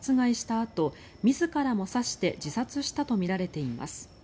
あと自らも刺して自殺したとみられています。